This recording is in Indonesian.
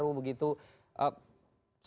apakah itu hal yang benar pak